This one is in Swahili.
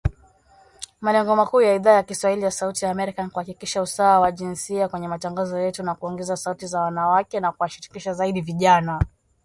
Malengo makuu ya Idhaa ya kiswahili ya Sauti ya Amerika ni kuhakikisha usawa wa jinsia kwenye matangazo yetu kwa kuongeza sauti za wanawake na kuwashirikisha zaidi vijana